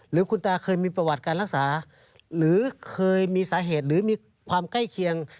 หรือคุณตาเคยมีประวัติการรักษาหรือเคยมีสาเหตุหรือมีความใกล้เคียง